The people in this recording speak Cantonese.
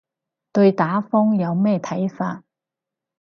對打風有咩睇法